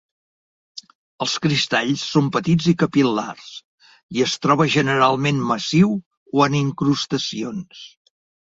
Els cristalls són petits i capil·lars, i es troba generalment massiu o en incrustacions.